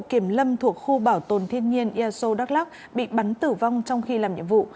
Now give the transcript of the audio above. kiểm lâm thuộc khu bảo tồn thiên nhiên eso đắk lắc bị bắn tử vong trong khi làm nhiệm vụ